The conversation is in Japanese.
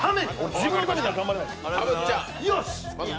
自分のためには頑張れないです。